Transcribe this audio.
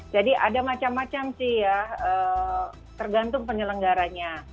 jadi ada macam macam sih ya tergantung penyelenggaranya